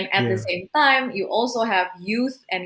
dan pada saat yang sama anda juga memiliki